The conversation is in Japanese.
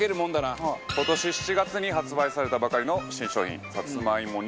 齊藤：今年７月に発売されたばかりの新商品、さつまいも煮。